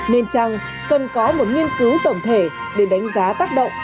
nên chăng cần có một nghiên cứu tổng thể để đánh giá tác động